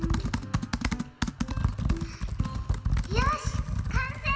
よしかんせい！